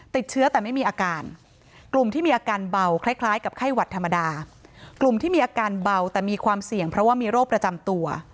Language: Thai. ติดเชื้อแต่ไม่มีอาการกลุ่มที่มีอาการเบาคล้ายกับไข้หวัดธรรมดากลุ่มที่มีอาการเบาแต่มีความเสี่ยงเพราะว่ามีโรคประจำตัว